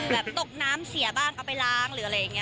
แบบตกน้ำเสียบ้างเอาไปล้างหรืออะไรอย่างนี้